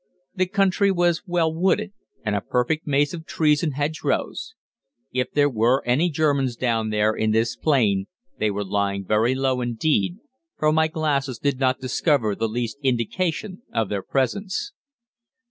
The country was well wooded, and a perfect maze of trees and hedgerows. If there were any Germans down there in this plain they were lying very low indeed, for my glasses did not discover the least indication of their presence.